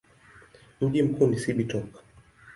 Mji mkuu ni Cibitoke.